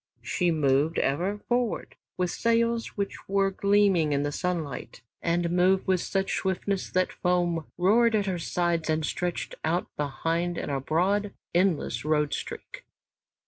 She moved ever forward with sails which were gleaming in sunlight, and moved with such swiftness that foam roared at her sides and stretched out behind in a broad, endless road streak.